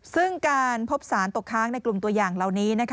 ซึ่งการพบสารตกค้างในกลุ่มตัวอย่างเหล่านี้นะคะ